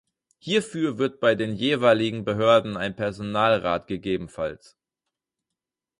Hierfür wird bei den jeweiligen Behörden ein Personalrat, ggf.